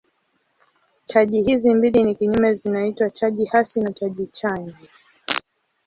Chaji hizi mbili ni kinyume zinaitwa chaji hasi na chaji chanya.